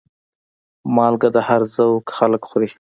مالګه د هر ذوق خلک خوري.